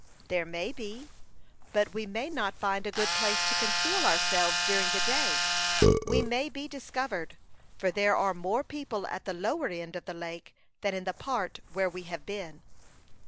"There may be; but we may not find a good place to conceal ourselves during the day. We may be discovered, for there are more people at the lower end of the lake than in the part where we have been."